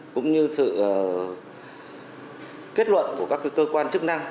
cũng như sự kết luận của các cơ quan chức năng